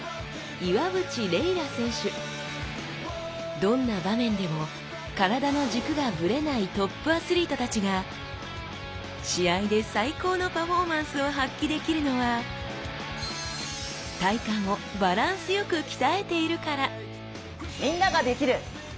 どんな場面でも体の軸がブレないトップアスリートたちが試合で最高のパフォーマンスを発揮できるのは「体幹」をバランスよく鍛えているから！